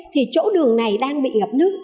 thì chỗ đường này đang bị ngập nước